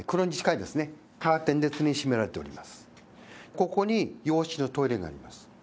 ここに様式のトイレがあります。